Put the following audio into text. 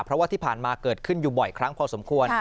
เพราะว่าที่ผ่านมาเกิดขึ้นอยู่บ่อยครั้งพอสมควร